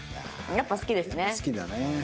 やっぱ好きだね。